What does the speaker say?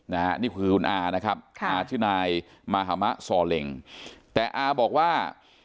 นี่คือคุณออนะครับอชมซแต่อบอกว่า